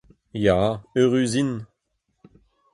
Ya, eürüs int.